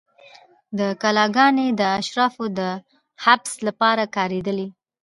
دا کلاګانې د اشرافو د حبس لپاره کارېدلې.